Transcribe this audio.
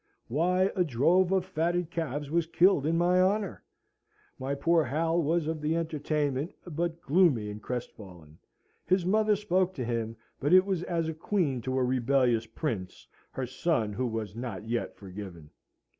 Why, a drove of fatted calves was killed in my honour! My poor Hal was of the entertainment, but gloomy and crestfallen. His mother spoke to him, but it was as a queen to a rebellious prince, her son who was not yet forgiven.